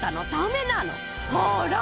ほら。